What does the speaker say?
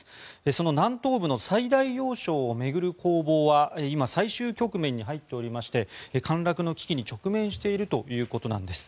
その南東部の最大要衝を巡る攻防は今、最終局面に入っておりまして陥落の危機に直面しているということなんです。